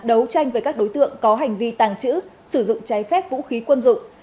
đấu tranh với các đối tượng có hành vi tàng trữ sử dụng trái phép vũ khí quân dụng